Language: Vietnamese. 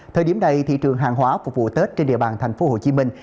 thời điểm này thị trường hàng hóa phục vụ tết trên địa bàn thành phố hồ chí minh